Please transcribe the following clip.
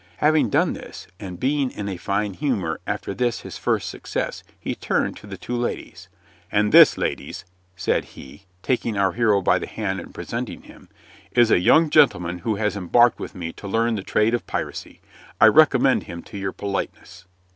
Having done this, and being in a fine humor after this his first success, he turned to the two ladies. "And this, ladies," said he, taking our hero by the hand and presenting him, "is a young gentleman who has embarked with me to learn the trade of piracy. I recommend him to your politeness."